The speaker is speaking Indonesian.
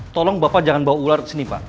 tolong bapak jangan bawa ular ke sini pak